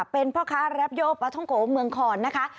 เป็นพ่อค้าแรปโยปลาท่องโกเมืองคอนนะคะ